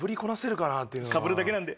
かぶるだけなんで。